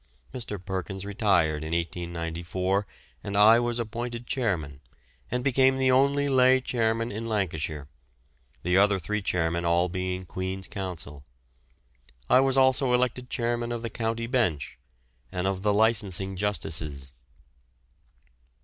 Mr. Perkins retired in 1894 and I was appointed chairman, and became the only lay chairman in Lancashire, the other three chairmen being all Queen's counsel. I was also elected chairman of the County Bench and of the Licensing Justices.